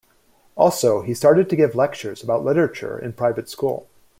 Also he started to give lectures about literature in private school.